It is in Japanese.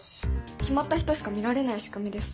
決まった人しか見られない仕組みです。